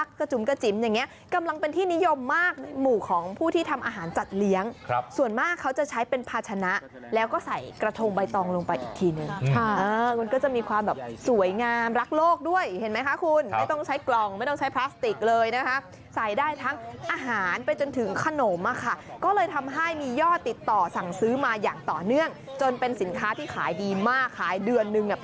กระจุ๋มกระจิ๋มอย่างเงี้กำลังเป็นที่นิยมมากในหมู่ของผู้ที่ทำอาหารจัดเลี้ยงส่วนมากเขาจะใช้เป็นภาชนะแล้วก็ใส่กระทงใบตองลงไปอีกทีนึงใช่มันก็จะมีความแบบสวยงามรักโลกด้วยเห็นไหมคะคุณไม่ต้องใช้กล่องไม่ต้องใช้พลาสติกเลยนะคะใส่ได้ทั้งอาหารไปจนถึงขนมอะค่ะก็เลยทำให้มียอดติดต่อสั่งซื้อมาอย่างต่อเนื่องจนเป็นสินค้าที่ขายดีมากขายเดือนนึงเนี่ย